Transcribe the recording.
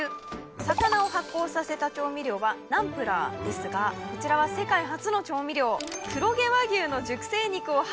魚を発酵させた調味料はナンプラーですがこちらは世界初の調味料。